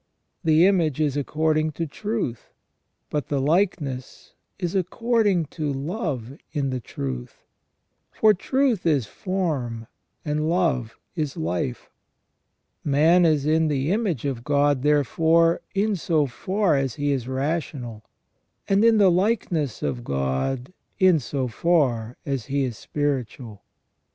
The image is according to truth ; but the likeness is according to love in the truth ; for truth * S. Basil, Horn, in Psalm xlviii. ON THE NATURE OF MAN. 17 is form, and love is life. Man is in the image of God, therefore, in so far as he is rational ; and in the likeness of God in so far as he is spiritual.